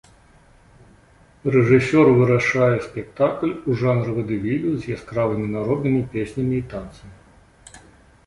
Рэжысёр вырашае спектакль у жанры вадэвілю з яскравымі народнымі песнямі і танцамі.